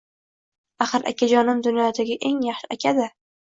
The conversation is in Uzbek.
Axir akajonim dunyodagi eng yaxshi aka-da